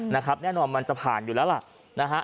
แน่นอนมันจะผ่านอยู่แล้วล่ะนะฮะ